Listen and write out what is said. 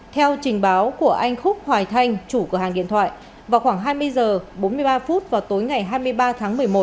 theo trình báo của anh khúc hoài thanh chủ cửa hàng điện thoại vào khoảng hai mươi h bốn mươi ba phút vào tối ngày hai mươi ba tháng một mươi một